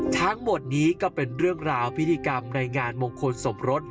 ทั้งหมดนี้ก็เป็นเรื่องราวพิธีกรรมในงานมงคลสมรส